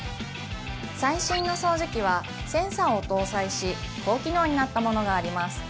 最新の掃除機はセンサーを搭載し高機能になったものがあります